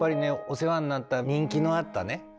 お世話になった人気のあったね